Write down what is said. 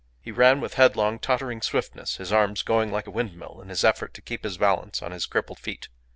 He ran with headlong, tottering swiftness, his arms going like a windmill in his effort to keep his balance on his crippled feet.